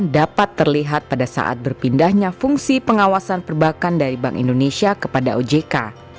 dapat terlihat pada saat berpindahnya fungsi pengawasan perbankan dari bank indonesia kepada ojk